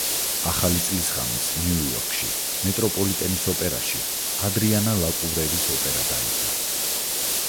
ახალი წლის ღამეს ნიუ-იორკში, მეტროპოლიტენის ოპერაში „ადრიანა ლაკუვრერის“ ოპერა დაიდგა.